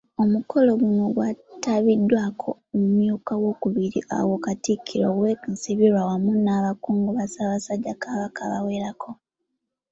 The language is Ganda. Omukolo guno gwetabiddwako omumyuka owookubiri owa Katikkiro, Owek.Nsibirwa awamu n'abakungu ba Ssaabasajja Kabaka abawerako.